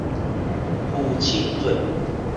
父親節